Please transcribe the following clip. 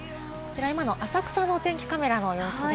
今の浅草のお天気カメラの様子です。